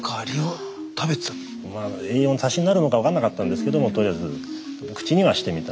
まあ栄養の足しになるのか分からなかったんですけどもとりあえず口にはしてみた。